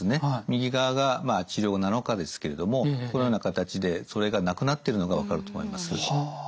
右側が治療７日ですけれどもこのような形でそれがなくなってるのが分かると思います。